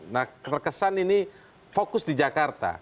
nah terkesan ini fokus di jakarta